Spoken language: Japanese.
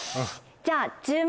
じゃあ。